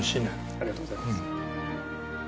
ありがとうございます。